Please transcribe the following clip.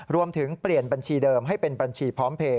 รวมถึงเปลี่ยนบัญชีเดิมให้เป็นบัญชีพร้อมเพลย